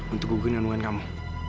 untuk gugurkan anu anu kamu